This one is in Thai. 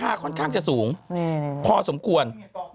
ค่อนข้างจะสูงพอสมควร